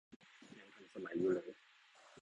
ยังทันสมัยอยู่เลย